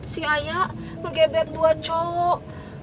si ayah ngegebet dua cowok